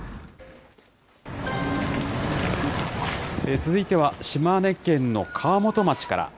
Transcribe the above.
続いては、島根県の川本町から。